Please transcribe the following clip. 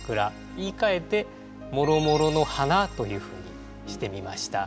言いかえて「もろもろの花」というふうにしてみました。